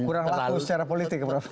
kurang laku secara politik ya prof